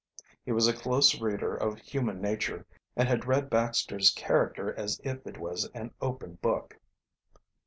He was a close reader of human nature and had read Baxter's character as if it was an open book.